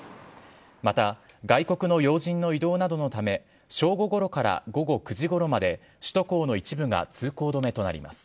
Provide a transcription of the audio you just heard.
また、外国の要人の移動などのため、正午ごろから午後９時ごろまで、首都高の一部が通行止めとなります。